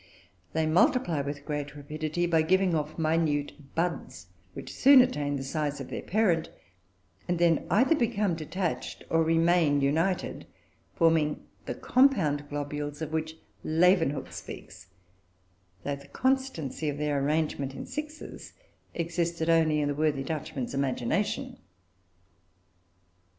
They multiply with great rapidity by giving off minute buds, which soon attain the size of their parent, and then either become detached or remain united, forming the compound globules of which Leeuwenhoek speaks, though the constancy of their arrangement in sixes existed only in the worthy Dutchman's imagination.